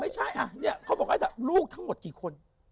ไม่ใช่นี่เขาบอกให้แต่ลูกทั้งหมดกี่คน